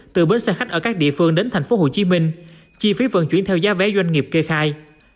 từ bến xe khách ở các địa phương đến tp hcm chi phí vận chuyển theo giá vé doanh nghiệp kê khai